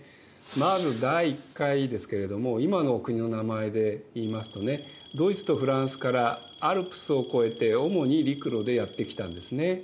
まず第１回ですけれども今の国の名前で言いますとねドイツとフランスからアルプスを越えて主に陸路でやって来たんですね。